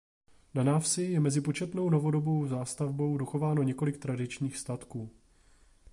Na návsi je mezi početnou novodobou zástavbou dochováno několik tradičních statků.